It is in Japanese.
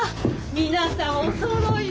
皆さんおそろいで。